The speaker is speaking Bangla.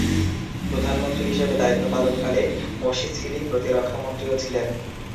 প্রধানমন্ত্রী হিসেবে দায়িত্ব পালনকালে মোশিসিলি প্রতিরক্ষা মন্ত্রীও ছিলেন।